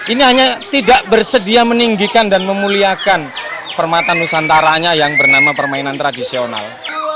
ini hanya tidak bersedia meninggikan dan memuliakan permata nusantaranya yang bernama permainan tradisional